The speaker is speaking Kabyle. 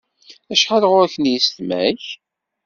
Acḥal ɣur-k n yisetma-k?